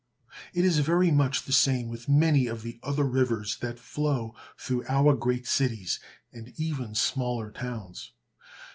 It is very much the same with many of the other rivers that flow through our great cities, and even smaller towns.